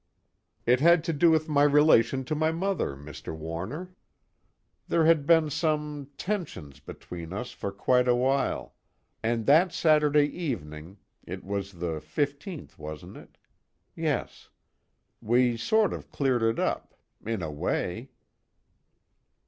_ "It had to do with my relation to my mother, Mr. Warner. There had been some tensions between us for quite a while, and that Saturday evening it was the 15th, wasn't it? yes we sort of cleared it up. In a way."